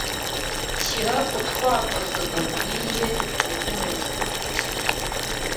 Shyira utwatuzo dukwiye mu nteruro zikurikira a